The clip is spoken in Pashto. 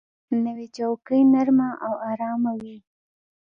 نوې چوکۍ نرمه او آرامه وي